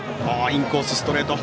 インコース、ストレート。